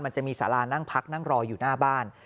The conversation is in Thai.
มันจะมีสารานั่งพักนั่งรออยู่หน้าบ้าน